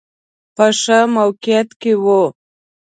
په ښه موقعیت کې و.